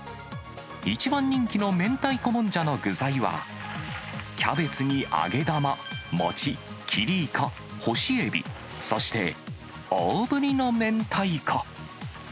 一番人気の明太子もんじゃの具材は、キャベツに揚げ玉、餅、切りイカ、干しエビ、そして大ぶりの明太子。